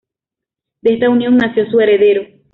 De esta unión nació su heredero.